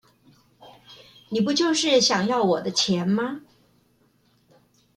你不就是想要我的錢嗎?